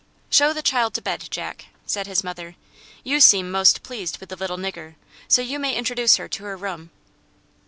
"Show the child to bed, Jack," said his mother. "You seem most pleased with the little nigger, so you may introduce her to her room."